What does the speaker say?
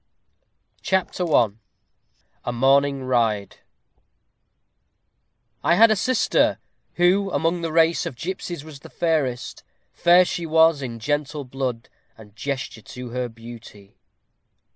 CHAPTER I A MORNING RIDE I had a sister, who among the race Of gipsies was the fairest. Fair she was In gentle blood, and gesture to her beauty.